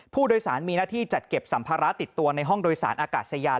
ผู้โดยสารมีหน้าที่จัดเก็บสัมภาระติดตัวในห้องโดยสารอากาศยาน